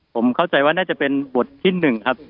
ผมเข้าใจว่าน่าจะเป็นบทที่๑ครับ